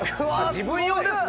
自分用ですね。